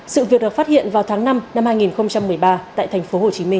sự việc được phát hiện vào tháng năm năm hai nghìn một mươi ba tại thành phố hồ chí minh